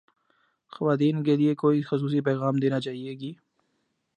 خواتین کے لئے کوئی خصوصی پیغام دینا چاہیے گی